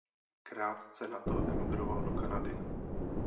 Krátce nato emigroval do Kanady.